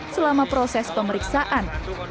selama proses pemeriksaan